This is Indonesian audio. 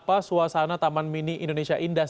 apa sih keadaan tmii di taman mini indonesia indah